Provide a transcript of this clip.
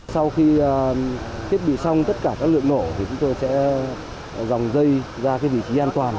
sau khi thiết bị xong tất cả các lượng nổ thì chúng tôi sẽ dòng dây ra vị trí an toàn